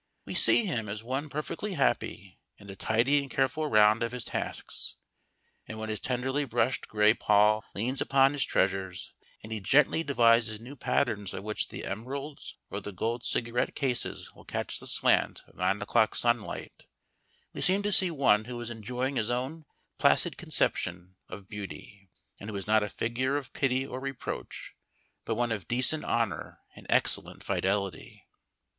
We see him as one perfectly happy in the tidy and careful round of his tasks; and when his tenderly brushed gray poll leans above his treasures, and he gently devises new patterns by which the emeralds or the gold cigarette cases will catch the slant of 9 o'clock sunlight, we seem to see one who is enjoying his own placid conception of beauty, and who is not a figure of pity or reproach, but one of decent honour and excellent fidelity.